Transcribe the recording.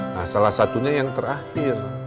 nah salah satunya yang terakhir